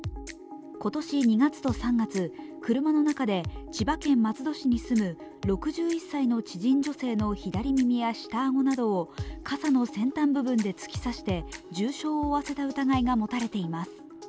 今年２月と３月、車の中で千葉県松戸市に住む６１歳の知人女性の左耳や下あごなどを傘の先端部分で突き刺して重傷を負わせた疑いが持たれています。